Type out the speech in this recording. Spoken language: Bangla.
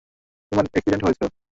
তোমার এক্সিডেন্ট হয়েছো।